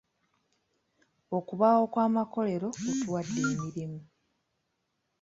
Okubaawo kw'amakolero kutuwadde emirimu.